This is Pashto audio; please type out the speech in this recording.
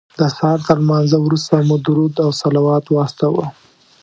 د سهار تر لمانځه وروسته مو درود او صلوات واستاوه.